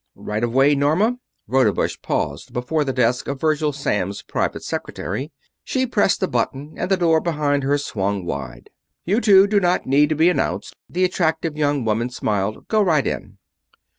"Right of way, Norma?" Rodebush paused before the desk of Virgil Samms' private secretary. She pressed a button and the door behind her swung wide. "You two do not need to be announced," the attractive young woman smiled. "Go right in."